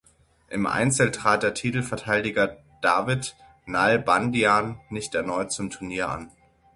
Im Einzel trat der Titelverteidiger David Nalbandian nicht erneut zum Turnier an.